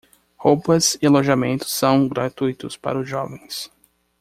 Roupas e alojamentos são gratuitos para os jovens.